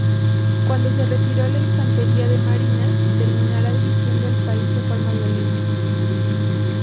Cuando se retiró la Infantería de Marina, terminará dirigiendo el país de forma violenta.